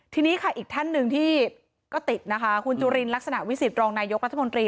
ทีนี้ค่ะอีกท่านหนึ่งที่ก็ติดนะคะคุณจุลินลักษณะวิสิตรองนายกรัฐมนตรี